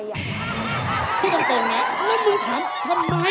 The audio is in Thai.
พี่ต้องตรงนะน่ะมึงถามทำไม